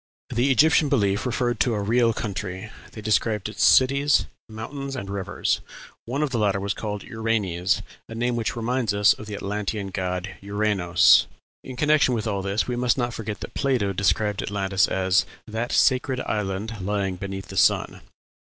The Egyptian belief referred to a real country; they described its cities, mountains, and rivers; one of the latter was called Uranes, a name which reminds us of the Atlantean god Uranos. In connection with all this we must not forget that Plato described Atlantis as "that sacred island lying beneath the sun."